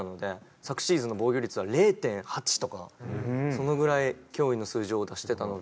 昨シーズンの防御率は０．８とかそのぐらい驚異の数字を出してたので。